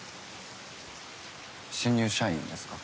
新入社員ですか？